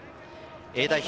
Ａ代表